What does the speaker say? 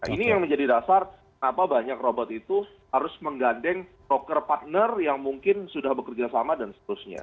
ini yang menjadi dasar kenapa banyak robot itu harus menggandeng broker partner yang mungkin sudah bekerja sama dan seterusnya